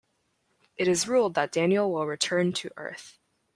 It is ruled that Daniel will return to Earth.